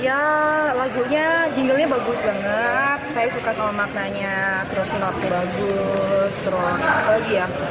ya lagunya jinggalnya bagus banget saya suka sama maknanya terus naku bagus terus apa lagi ya